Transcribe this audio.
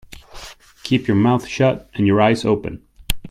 Keep your mouth shut and your eyes open.